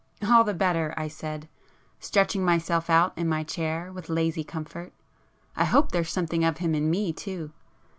"All the better!" I said, stretching myself out in my chair with lazy comfort—"I hope there's something of him in me too."